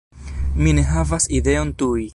Mi ne havas ideon tuj.